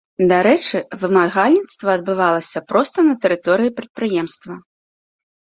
Дарэчы, вымагальніцтва адбывалася проста на тэрыторыі прадпрыемства.